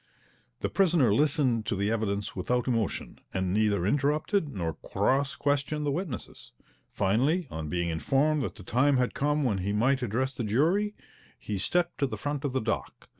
The prisoner listened to the evidence without emotion, and neither interrupted nor cross questioned the witnesses. Finally, on being informed that the time had come when he might address the jury, he stepped to the front of the dock.